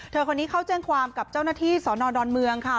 คนนี้เข้าแจ้งความกับเจ้าหน้าที่สอนอดอนเมืองค่ะ